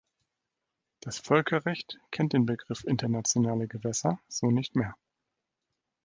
Das Völkerrecht kennt den Begriff „Internationale Gewässer“ so nicht mehr.